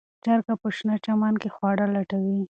چرګه په شنه چمن کې خواړه لټوي.